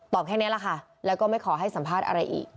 แค่นี้แหละค่ะแล้วก็ไม่ขอให้สัมภาษณ์อะไรอีก